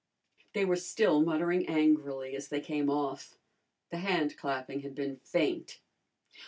They were still muttering angrily as they came off. The handclapping had been faint.